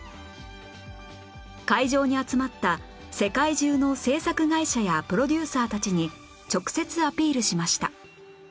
会場に集まった世界中の制作会社やプロデューサーたちに直接アピールしました